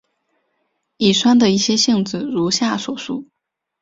乙酸的一些性质如下所述。